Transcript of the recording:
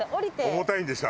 重たいんでしょ？